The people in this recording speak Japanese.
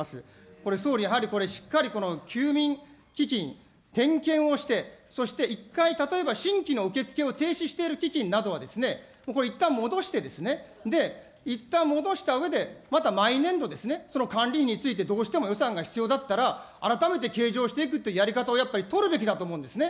これ総理、やはりこれ、しっかり休眠基金、点検をして、そして一回、例えば新規の受け付けを停止している基金などはですね、これいったん戻して、いったん戻したうえで、また毎年度ですね、その管理費についてどうしても予算が必要だったら改めて計上していくというやり方をやっぱり取るべきだと思うんですね。